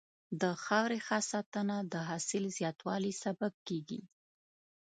د خاورې ښه ساتنه د حاصل زیاتوالي سبب کېږي.